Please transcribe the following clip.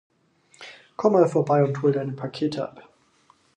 Komm mal vorbei und hol deine Pakete ab.